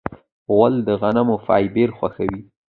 غول د غنمو فایبر خوښوي.